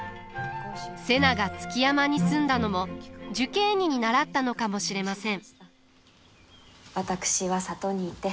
瀬名が築山に住んだのも寿桂尼に倣ったのかもしれません。